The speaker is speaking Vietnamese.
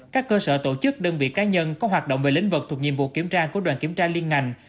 các cơ sở tổ chức đơn vị cá nhân có hoạt động về lĩnh vực thuộc nhiệm vụ kiểm tra của đoàn kiểm tra liên ngành